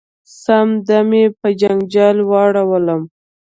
سم دم یې په جنجال واړولم .